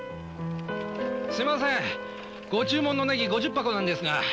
すいませんご注文のネギ５０箱なんですが。